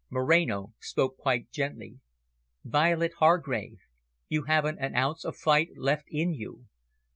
Moreno spoke quite gently. "Violet Hargrave, you haven't an ounce of fight left in you.